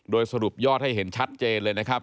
โดยสรุปยอดให้เห็นชัดเจนเลยนะครับ